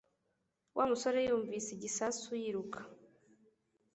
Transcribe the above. Wa musore yumvise igisasu yiruka